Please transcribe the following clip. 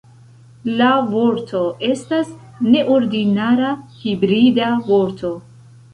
La vorto estas neordinara hibrida vorto.